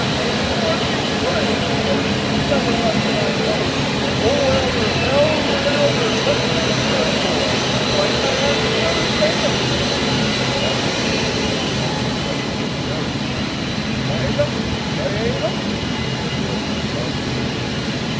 "The Lord be praised, and this is better luck than I hoped! Oh, elder! elder! elder! what did you do it for? Why, man, where is Balaam?" Thought of the beast choked off the threatened hysterics. "Balaam? Balaam?" said the elder, groggily.